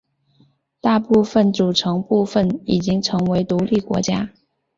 大部分组成部分已经成为独立国家。